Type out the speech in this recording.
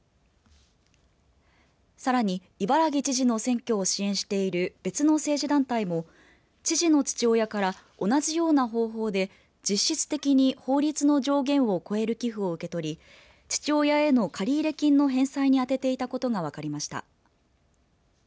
さらに伊原木知事の選挙を支援している別の政治団体も知事の父親から同じような方法で実質的に法律の上限を超える寄付を受け取り父親への借入金の返済に充てていたことが分かりました。